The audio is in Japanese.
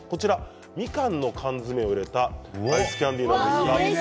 みかんの缶詰を入れたアイスキャンディーです。